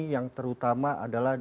yang terutama adalah